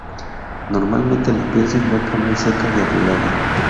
Normalmente la piel se encuentra muy seca y arrugada.